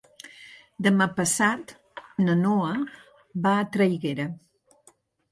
Demà passat na Noa va a Traiguera.